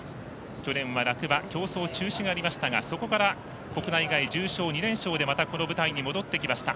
去年は落馬競走中止がありましたがそこから国内外重賞２連勝でまたこの舞台に戻ってきました。